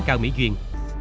cao mỹ duyên